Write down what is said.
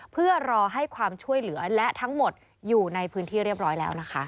เพื่อรอให้ความช่วยเหลือและทั้งหมดอยู่ในพื้นที่เรียบร้อยแล้วนะคะ